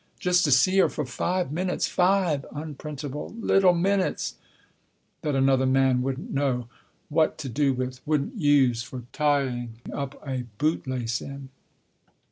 Just to see her for five minutes. Five (unprintable) little minutes that another man wouldn't know what to do with, wouldn't use for tying up a bootlace in."